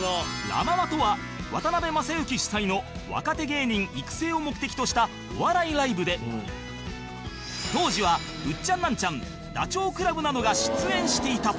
ラ・ママとは渡辺正行主催の若手芸人育成を目的としたお笑いライブで当時はウッチャンナンチャンダチョウ倶楽部などが出演していた